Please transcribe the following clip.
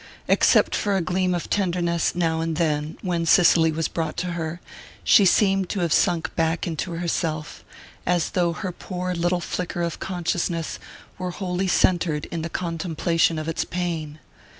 Except for a gleam of tenderness, now and then, when Cicely was brought to her, she seemed to have sunk back into herself, as though her poor little flicker of consciousness were wholly centred in the contemplation of its pain.